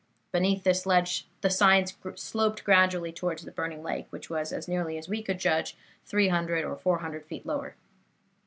Beneath this ledge the sides sloped gradually towards the burning lake, which was, as nearly as we could judge, 300 or 400 feet lower.